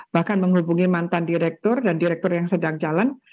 bahkan menghubungi mantan direktur dan direktur yang sedang jalan